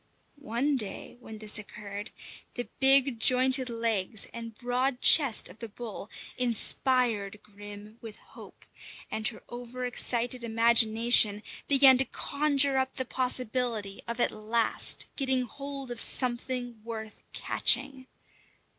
One day when this occurred, the big jointed legs and broad chest of the bull inspired Grim with hope, and her over excited imagination began to conjure up the possibility of at last getting hold of something worth catching.